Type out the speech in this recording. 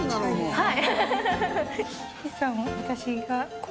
はい！